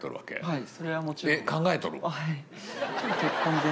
はい。